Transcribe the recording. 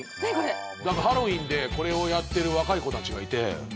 ハロウィーンでこれをやっている若い子たちがいて。